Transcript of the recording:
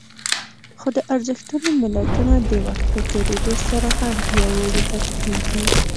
خو د ارزښتونو ملتونه د وخت په تېرېدو سره هم پياوړي پاتې کېږي.